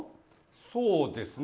そうですね。